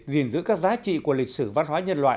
gìn giữ các giá trị của lịch sử văn hóa nhân loại